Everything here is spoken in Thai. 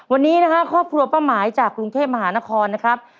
วันนี้นะฮะครอบครัวป้าหมายจากกรุงเทพมหานครนะครับ